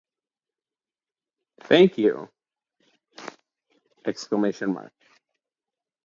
'Thank you, !...